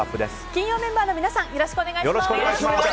金曜メンバーの皆さんよろしくお願いします。